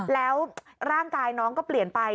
แล้วร่างกายน้องก็เปลี่ยนไป